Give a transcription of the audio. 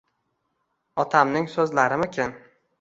Otamning so’zlarimikin?